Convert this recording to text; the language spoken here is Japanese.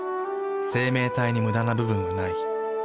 生命体にムダな部分はない。